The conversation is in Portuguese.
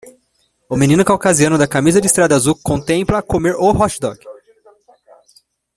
O menino caucasiano na camisa listrada azul contempla comer o hotdog.